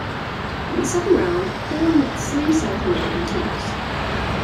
In the second round, Poland met three South American teams.